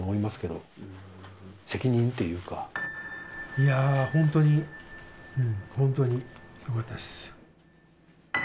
いや本当に本当によかったです。